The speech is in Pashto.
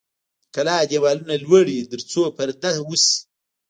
د کلا دیوالونه لوړ وي ترڅو پرده وشي.